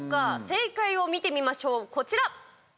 正解を見てみましょう、こちら。